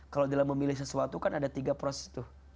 kalau dalam memilih sesuatu kan ada tiga proses tuh